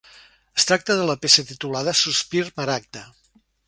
Es tracta de la peça titulada Sospir maragda.